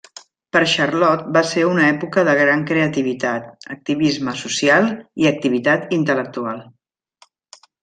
Per Charlotte va ser una època de gran creativitat, activisme social i activitat intel·lectual.